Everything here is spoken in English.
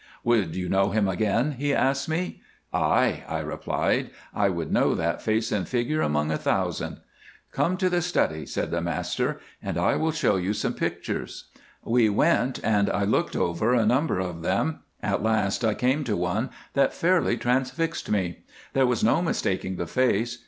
"'Would you know him again?' he asked me. "'Aye,' I replied, 'I would know that face and figure among a thousand.' "'Come to the study,' said the master, 'and I will show you some pictures.' "We went, and I looked over a number of them. At last I came to one that fairly transfixed me. There was no mistaking the face.